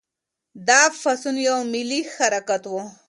دا پاڅون یو ملي حرکت و.